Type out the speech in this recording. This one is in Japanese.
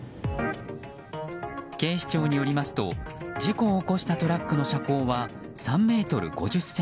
警視庁によりますと事故を起こしたトラックの車高は３ｍ５０ｃｍ。